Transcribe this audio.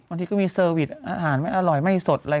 อาทิตย์ก็มีเชอร์วิทย์อาหารอร่อยไม่สดอะไรแบบนี้